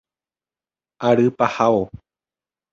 Ary pahávo.